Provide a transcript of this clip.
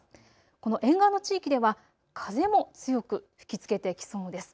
この沿岸の地域では風も強く吹きつけてきそうです。